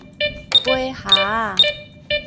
掰箬仔